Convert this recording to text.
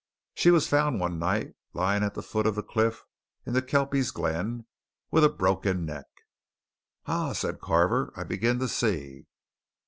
She was found one night lying at the foot of the cliff in the Kelpies' Glen with a broken neck." "Ah!" said Carver. "I begin to see."